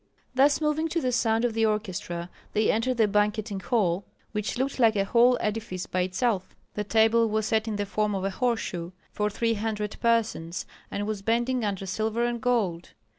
Thus moving to the sound of the orchestra, they entered the banqueting hall, which looked like a whole edifice by itself. The table was set in the form of a horseshoe, for three hundred persons, and was bending under silver and gold.